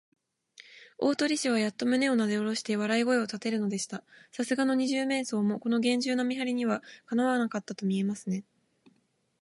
大鳥氏はやっと胸をなでおろして、笑い声をたてるのでした。さすがの二十面相も、このげんじゅうな見はりには、かなわなかったとみえますね。